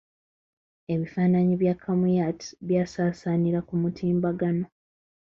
Ebifaananyi bya Kamuyat byasaasaanira ku mutimbagano.